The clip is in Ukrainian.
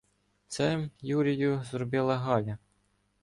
— Це, Юрію, зробила Галя.